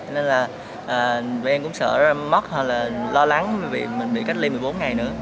nên là tụi em cũng sợ mất hoặc là lo lắng vì mình bị cách ly một mươi bốn ngày nữa